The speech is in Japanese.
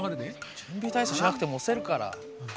じゅんび体操しなくてもおせるから。